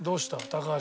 高橋。